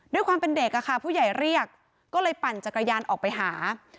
ด้วยความเป็นเด็กอะค่ะผู้ใหญ่เรียกก็เลยปั่นจักรยานออกไปหา